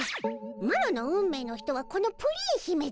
マロの運命の人はこのプリン姫じゃ！